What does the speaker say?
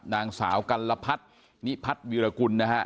นางสาวกัลพัฒนิพัทวิรกุล